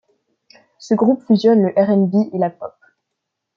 Ce groupe fusionne le R'n'B et la Pop.